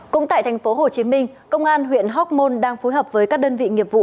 cũng tại tp hcm công an huyện hoc mon đang phối hợp với các đơn vị nghiệp vụ